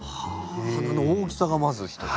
花の大きさがまず一つ。